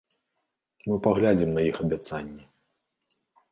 Мы паглядзім на іх абяцанні.